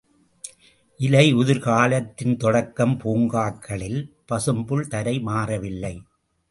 இலையுதிர் காலத்தின் தொடக்கம் பூங்காக்களில், பசும் புல் தரை மாறவில்லை.